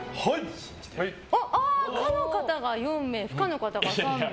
可の方が４名、不可方が３名。